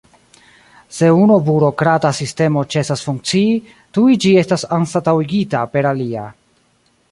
Se unu burokrata sistemo ĉesas funkcii, tuj ĝi estas anstataŭigita per alia.